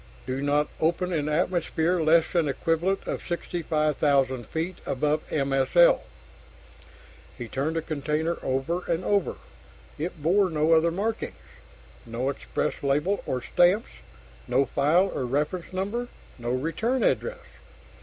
DO NOT OPEN in atmosphere less than equivalent of 65,000 feet above M.S.L. He turned the container over and over. It bore no other markings no express label or stamps, no file or reference number, no return address.